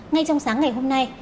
ngay trong sáng ngày hôm nay